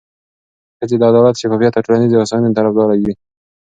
ښځې د عدالت، شفافیت او ټولنیزې هوساینې طرفداره وي.